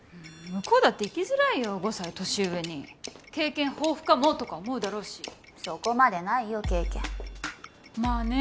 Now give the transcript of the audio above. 向こうだっていきづらいよ５歳年上に経験豊富かもとか思うだろうしそこまでないよ経験まあね